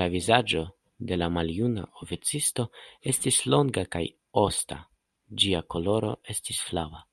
La vizaĝo de la maljuna oficisto estis longa kaj osta, ĝia koloro estis flava.